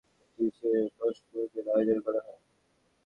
একই দিনে পদ্ম বিজয়ীদের সম্মানে একটি বিশেষ নৈশভোজের আয়োজন করা হয়।